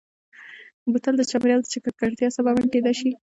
بوتل د چاپېریال د ککړتیا سبب هم کېدای شي.